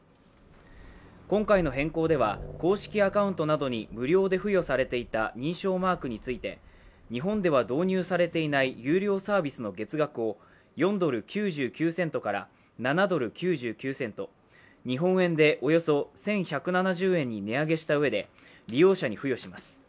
今回の変更では公式アカウントなどに無料で付与されていた認証マークについて日本では導入されていない有料サービスの月額を４ドル９９セントから７ドル９９セント、日本円でおよそ１１７０円に値上げしたうえで、利用者に付与します。